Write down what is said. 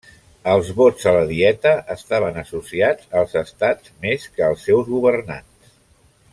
Els vots a la Dieta estaven associats als Estats més que als seus governants.